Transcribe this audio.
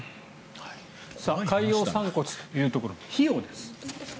海洋散骨というところの費用です。